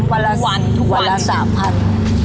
วันละ๓๐๐๐บาท